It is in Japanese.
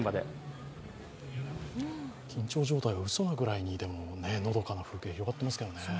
緊張状態がうそなぐらいにのどかな風景が広がっていますけどね。